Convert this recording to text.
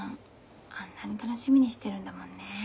あんなに楽しみにしてるんだもんね。